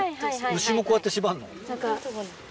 牛もこうやって縛んの？